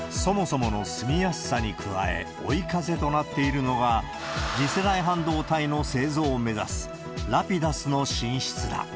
そもそもの住みやすさに加え、追い風となっているのが、次世代半導体の製造を目指す、ラピダスの進出だ。